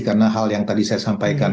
karena hal yang tadi saya sampaikan